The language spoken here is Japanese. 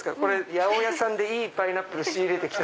八百屋さんでいいパイナップル仕入れて来た。